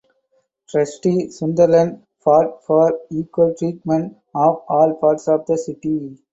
Trustee Sunderland fought for equal treatment of all parts of the city.